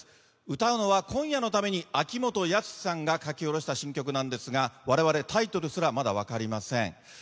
歌うのは今夜のために秋元康さんが書き下ろした新曲なんですがタイトルすら分かりません。